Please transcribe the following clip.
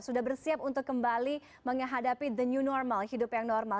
sudah bersiap untuk kembali menghadapi the new normal hidup yang normal